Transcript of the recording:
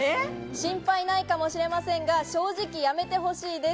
心配ないかもしれませんが、正直やめて欲しいです。